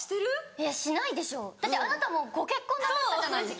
いやしないでしょだってあなたご結婚されたじゃないですか。